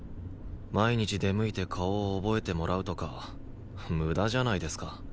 毎日出向いて顔を覚えてもらうとか無駄じゃないですか。